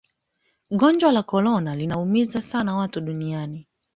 gonjwa la korona linaumiza sana watu duniani